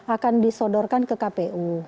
akan disodorkan ke kpu